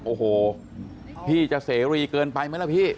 โอ้โหพี่จะเสรีเกินไปไหมล่ะพี่